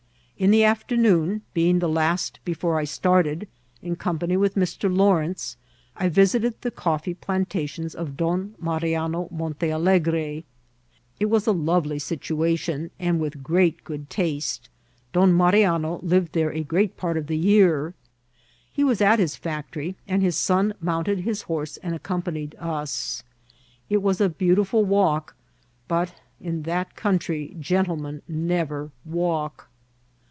In the afternoon, being the last before I started, in company with Mr. Lawrence I visited the coffee plan tations of Don Mariano Montealegre. It was a lovely si^iation, and with great good taste, Don Mariano lived there a great part of the year. He was at his factory. CULTITATION OF COFPSB. 873 and his son mounted his horse and accompanied ns. It was a beautiful walk, but in that country gentlemen never walk.